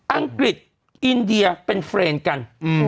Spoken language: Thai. อังกฤษอินเดียเป็นเฟรนด์กัน